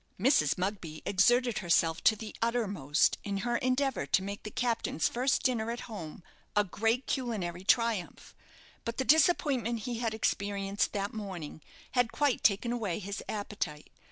Mrs. Mugby exerted herself to the uttermost in her endeavour to make the captain's first dinner at home a great culinary triumph, but the disappointment he had experienced that morning had quite taken away his appetite.